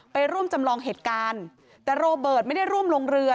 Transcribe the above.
ไปร่วมจำลองเหตุการณ์แต่โรเบิร์ตไม่ได้ร่วมลงเรือ